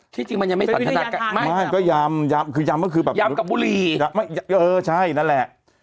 ที่จริงมันยังไม่สัญญาณักไม่ยำก็คือแบบยำกับบุรีใช่นั่นแหละ